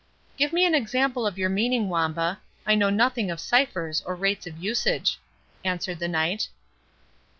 "Give me an example of your meaning, Wamba,—I know nothing of ciphers or rates of usage," answered the Knight.